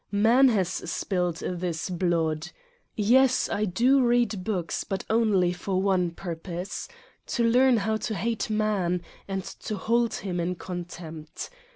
Man has spilled this blood! Yes, I do read books but only for one purpose; to learn how to hate man and to hold him in contempt.